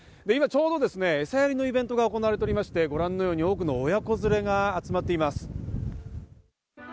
今ちょうどエサやりのイベントが行われていまして、多くの親子連れが集まっています。